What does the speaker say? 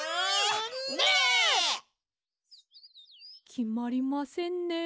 きまりませんね。